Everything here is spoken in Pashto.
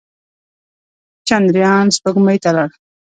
چندریان سپوږمۍ ته لاړ.